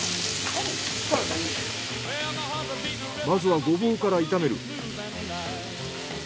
まずはゴボウから炒める。